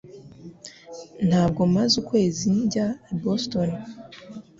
Ntabwo maze ukwezi njya i Boston